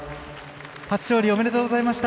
初勝利おめでとうございました。